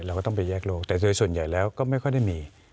เราก็ต้องไปแยกโลกแต่โดยส่วนใหญ่แล้วก็ไม่ค่อยได้มี